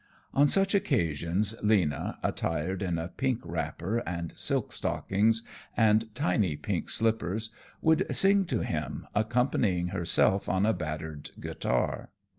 On such occasions Lena, attired in a pink wrapper and silk stockings and tiny pink slippers, would sing to him, accompanying herself on a battered guitar.